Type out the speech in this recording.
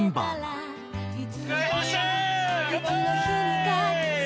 お疲れさまでした乾杯！